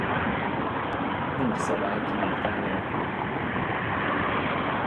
Nincs szabály kivétel nélkül.